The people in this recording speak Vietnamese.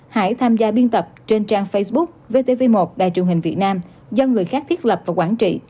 hải tham gia biên tập trên trang facebook vtv một đài truyền hình việt nam do người khác thiết lập và quản trị